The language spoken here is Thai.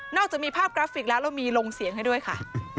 จากมีภาพกราฟิกแล้วเรามีลงเสียงให้ด้วยค่ะ